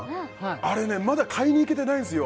あれねまだ買いにいけてないんすよ